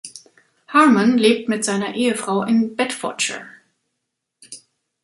Harman lebt mit seiner Ehefrau in Bedfordshire.